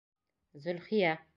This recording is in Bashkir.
Зөлхиә